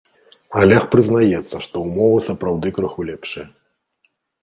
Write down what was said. Алег прызнаецца, што ўмовы сапраўды крыху лепшыя.